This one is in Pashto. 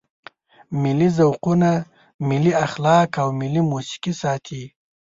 ملي ذوقونه، ملي اخلاق او ملي موسیقي ساتي.